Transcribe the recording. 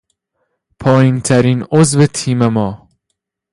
پایینترین عضو تیم ما